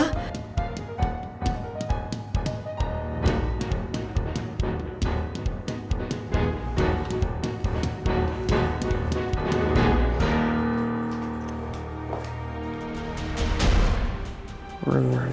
tidak ada apa apa